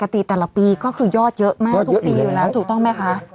แต่ละปีก็คือยอดเยอะมากทุกปีอยู่แล้วถูกต้องไหมคะ